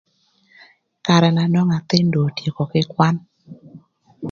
Karë na nwongo athïn do otyeko kï kwan.